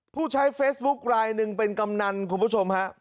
ผู้ใช้เฟซบุ๊คลายหนึ่งเป็นกำนันคุณผู้ชมฮะ